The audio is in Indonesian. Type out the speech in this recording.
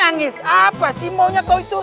nangis apa sih maunya kau itu